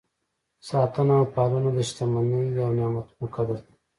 ساتنه او پالنه د شتمنۍ او نعمتونو قدر دی.